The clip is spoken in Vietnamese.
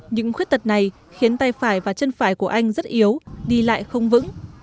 những khuyết tật này khiến tay phải và chân phải của anh rất yếu đi lại không vững